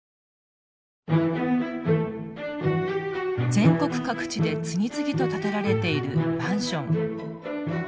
全国各地で次々と建てられているマンション。